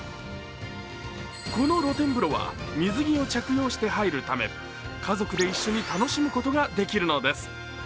この露天風呂は水着を着用して入るため家族で一緒に楽しむことができるのです。